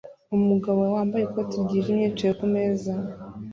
Umugabo wambaye ikoti ryijimye yicaye kumez